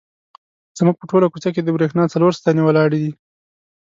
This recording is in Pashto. زموږ په ټوله کوڅه کې د برېښنا څلور ستنې ولاړې دي.